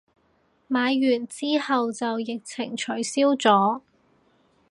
買完之後就疫情取消咗